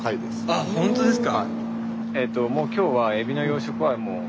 あほんとですか？